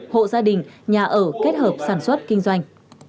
hộ gia đình nhà ở kết hợp sản xuất kinh doanh